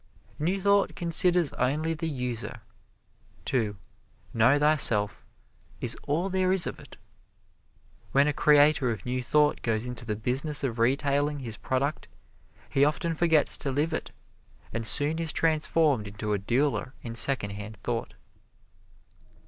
New Thought considers only the user. To "Know Thyself" is all there is of it. When a creator of New Thought goes into the business of retailing his product, he often forgets to live it, and soon is transformed into a dealer in Secondhand Thought.